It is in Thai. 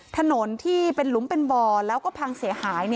ถนนที่เป็นหลุมเป็นบ่อแล้วก็พังเสียหาย